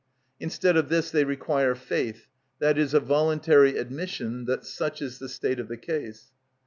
Instead of this they require faith, that is, a voluntary admission that such is the state of the case.